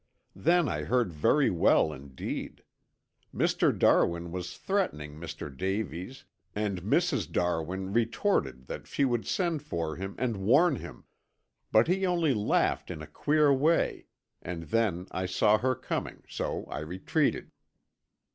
Then I heard very well, indeed. Mr. Darwin was threatening Mr. Davies, and Mrs. Darwin retorted that she would send for him and warn him, but he only laughed in a queer way and then I saw her coming, so I retreated.